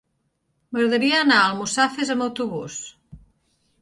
M'agradaria anar a Almussafes amb autobús.